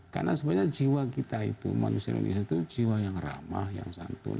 karena sebenarnya jiwa kita itu manusia indonesia itu jiwa yang ramah yang santun